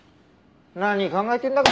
何考えてるんだか。